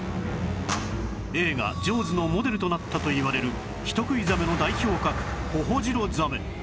映画『ジョーズ』のモデルとなったといわれる人食いザメの代表格ホホジロザメ